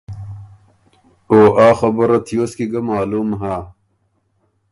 او آ خبُره تیوس کی ګۀ معلوم هۀ۔